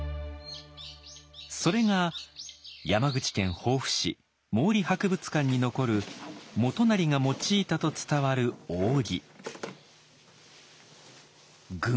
それが山口県防府市毛利博物館に残る元就が用いたと伝わる扇。